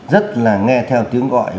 rất là nghe theo tiếng gọi